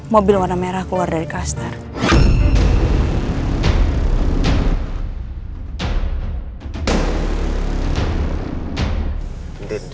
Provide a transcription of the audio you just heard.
mobil warna merah keluar dari kaster